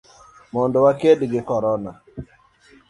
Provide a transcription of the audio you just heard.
mondo waked gi Corona.